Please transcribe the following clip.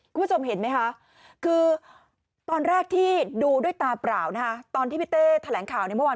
คุณผู้ชมเห็นไหมคะคือตอนแรกที่ดูด้วยตาเปล่านะคะตอนที่พี่เต้แถลงข่าวเนี่ยเมื่อวาน